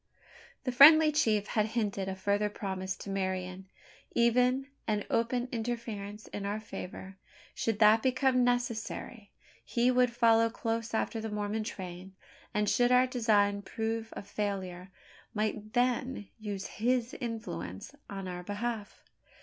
The friendly chief had hinted a further promise to Marian even an open interference in our favour should that become necessary. He would follow close after the Mormon train; and, should our design prove a failure, might then use his influence on our behalf.